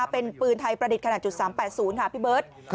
เป็นปืนไทยประดิษฐ์ขนาด๓๘๐ค่ะพี่เบิร์ต